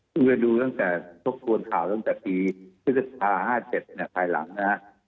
คุณไปดูต้นกวนข่าวตั้งแต่ปี๑๙๕๗เนี่ยภายหลังนะครับ